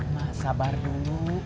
mak sabar dulu